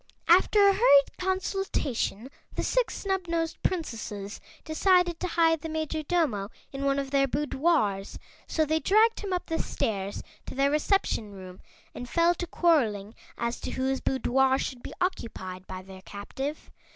After a hurried consultation the Six Snubnosed Princesses decided to hide the Majordomo in one of their boudoirs, so they dragged him up the stairs to their reception room and fell to quarreling as to whose boudoir should be occupied by their captive.